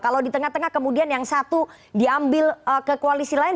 kalau di tengah tengah kemudian yang satu diambil ke koalisi lain